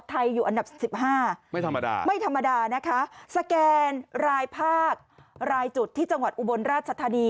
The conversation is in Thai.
ไทยอยู่อันดับ๑๕ไม่ธรรมดานะคะสแกนรายภาครายจุดที่จังหวัดอุบลราชธรรมดี